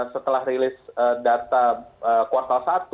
setelah rilis data kuartal satu